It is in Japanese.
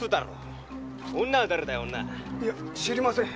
女は知りません。